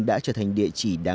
đã trở thành địa chỉ của bà con